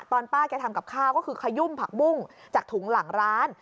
ป้าแกทำกับข้าวก็คือขยุ่มผักบุ้งจากถุงหลังร้าน